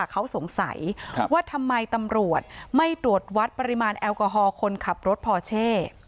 เขาสงสัยว่าทำไมตำรวจไม่ตรวจวัดปริมาณแอลกอฮอล์คนขับรถพอเช่